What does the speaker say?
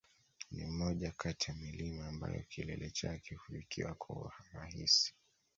Ni moja kati ya milima ambayo kilele chake hufikiwa kwa urahisi